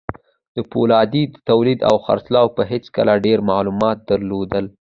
د پولادو د توليد او خرڅلاو په هکله ډېر معلومات درلودل.